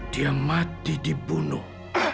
dia mati dibunuh